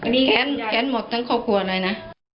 มีแขนหมดตั้งครอบครัวหน่อยนะ